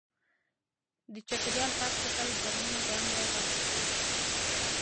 د چاپېریال پاک ساتل زموږ دنده ده.